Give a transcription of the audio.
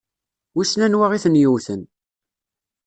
Wissen anwa i ten-yewwten?